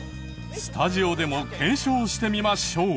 スタジオでも検証してみましょう。